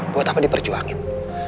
buat apa diperjuangin